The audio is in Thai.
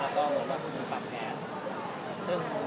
สวัสดีครับขออนุญาตถ้าใครถึงแฟนทีลักษณ์ที่เกิดอยู่แล้วค่ะ